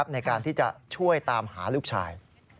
ในการที่จะช่วยตามหาลูกชาย